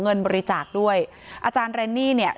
เงินบริจาคด้วยอาจารย์เรนนี่เนี่ย